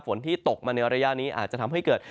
ที่ตกมาในระยะนี้อาจจะทำให้เกิด